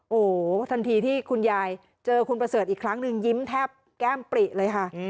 โอ้โหทันทีที่คุณยายเจอคุณประเสริฐอีกครั้งหนึ่งยิ้มแทบแก้มปริเลยค่ะ